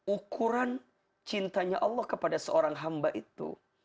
ukuran cintanya allah kepada seorang hamba itu